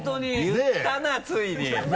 言ったなついに。